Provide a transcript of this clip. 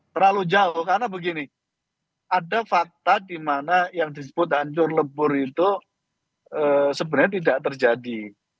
terlalu jauh karena begini ada fakta di mana yang disebut hancur lebur itu sebenarnya tidak terjadi